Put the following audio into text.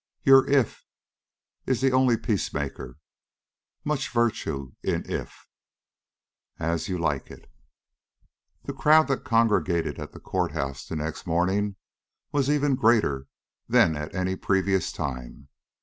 Your If is the only peace maker; much virtue in If. AS YOU LIKE IT. THE crowd that congregated at the court house the next morning was even greater than at any previous time.